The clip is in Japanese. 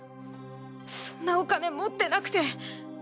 そんなお金持ってなくて。